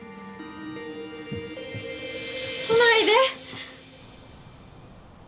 来ないで